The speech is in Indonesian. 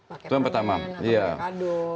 paketan atau mereka adun